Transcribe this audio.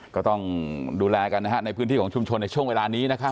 ก็ต้องดูแลกันนะฮะในพื้นที่ของชุมชนในช่วงเวลานี้นะครับ